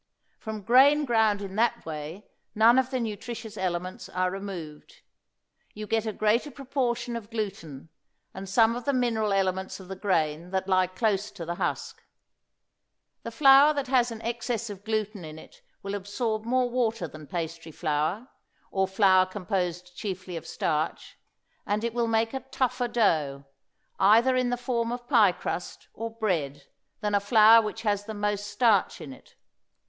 From grain ground in that way none of the nutritious elements are removed. You get a greater proportion of gluten, and some of the mineral elements of the grain that lie close to the husk; the flour that has an excess of gluten in it will absorb more water than pastry flour, or flour composed chiefly of starch, and it will make a tougher dough, either in the form of pie crust or bread than a flour which has the most starch in it.